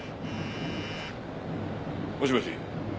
もしもし。